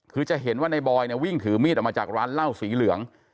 คือจะเห็นว่าในบอยเนี่ยวิ่งถือมีดออกมาจากร้านเหล้าสีเหลือง